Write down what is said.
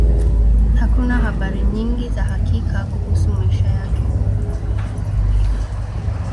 Hakuna habari nyingi za hakika kuhusu maisha yake.